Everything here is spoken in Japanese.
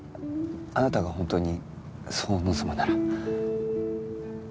あなたが本当にそう望むなら。